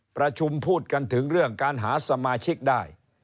ประชุมพูดกันถึงเรื่องการหาสมาชิกได้